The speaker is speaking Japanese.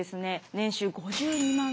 年収５２万ドル。